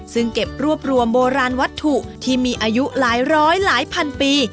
ซึ่งเก็บรวบรวมโบราณวัตถุที่มีอายุหลายร้อยหลายพันปี